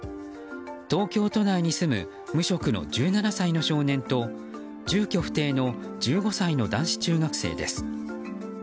東京都内に住む無職の１７歳の少年と住居不定の１５歳の男子中学生です。